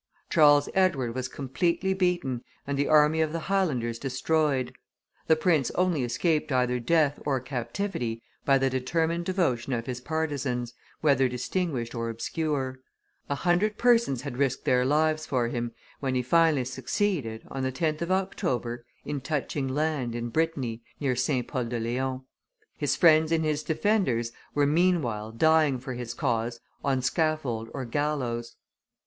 Charles Edward was completely beaten, and the army of the Highlanders destroyed; the prince only escaped either death or captivity by the determined devotion of his partisans, whether distinguished or obscure; a hundred persons had risked their lives for him, when he finally succeeded, on the 10th of October, in touching land, in Brittany, near St. Pol de Leon. His friends and his defenders were meanwhile dying for his cause on scaffold or gallows.